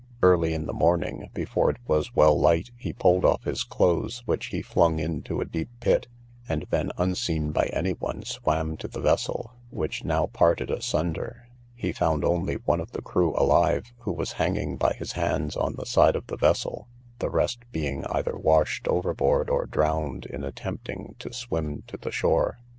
Early in the morning, before it was well light, he pulled off his clothes, which he flung into a deep pit, and then unseen by any one swam to the vessel, which now parted asunder; he found only one of the crew alive, who was hanging by his hands on the side of the vessel, the rest being either washed overboard, or drowned in attempting to swim to the shore.